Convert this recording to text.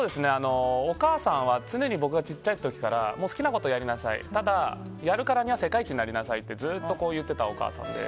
お母さんは常に僕がちっちゃい時から好きなことやりなさいただ、やるからには世界一になりなさいってずっと言ってたお母さんで。